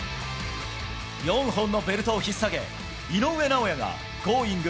４本のベルトをひっ提げ、井上尚弥がＧｏｉｎｇ！